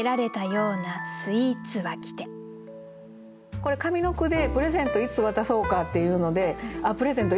これ上の句で「プレゼントいつ渡そうか」っていうのであっプレゼント